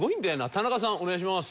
田中さんお願いします。